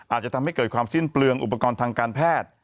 อาจจะทำให้เกิดความสิ้นเปลืองอุปกรณ์ทางการแพทย์